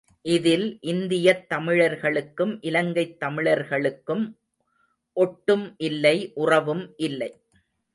இதில் இந்தியத் தமிழர்களுக்கும் இலங்கைத் தமிழர்களுக்கும் ஒட்டும் இல்லை உறவும் இல்லை.